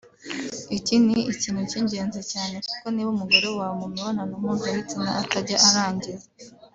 Iki ni ikintu cy’ingenzi cyane kuko niba umugore wawe mu mibonano mpuzabitsina atajya arangiza